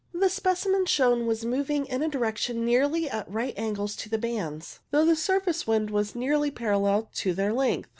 The specimen shown was moving in a direction nearly at right angles to the bands, though the surface wind was nearly parallel to their length.